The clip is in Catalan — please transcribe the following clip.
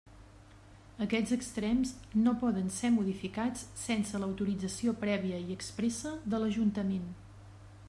Aquests extrems no poden ser modificats sense l'autorització prèvia i expressa de l'Ajuntament.